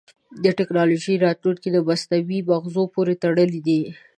د ټکنالوجۍ راتلونکی د مصنوعي مغزو پورې تړلی دی.